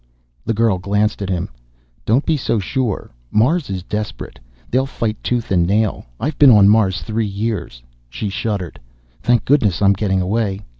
The girl glanced at him. "Don't be so sure. Mars is desperate. They'll fight tooth and nail. I've been on Mars three years." She shuddered. "Thank goodness I'm getting away.